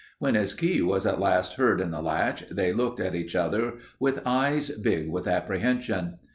When his key was at last heard in the latch they looked at each other with eyes big with apprehension.